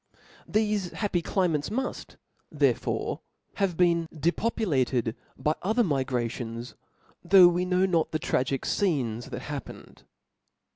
Thefe happy climates muft therefore have been depopulated by other migrations^ though we know not the tragical fcenes that happened.